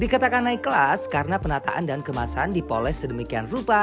dikatakan naik kelas karena penataan dan kemasan dipoles sedemikian rupa